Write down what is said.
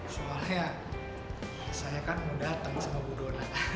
soalnya saya kan mau datang sama bu dona